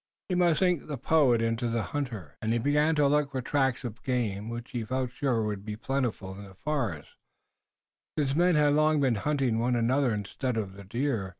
He must sink the poet in the hunter, and he began to look for tracks of game, which he felt sure would be plentiful in the forest, since men had long been hunting one another instead of the deer.